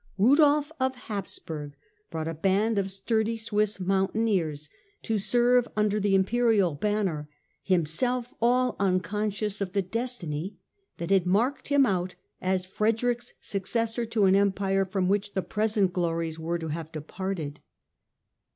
Rudolf of Hapsburg brought a band of sturdy Swiss mountaineers to serve under the Imperial banner, himself all unconscious of the destiny that had marked him out as Frederick's successor to an Empire from which the present glories were to have departed.